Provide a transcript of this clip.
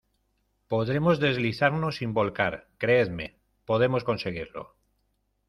podremos deslizarnos sin volcar, creedme , podemos conseguirlo.